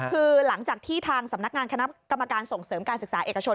คือหลังจากที่ทางสำนักงานคณะกรรมการส่งเสริมการศึกษาเอกชน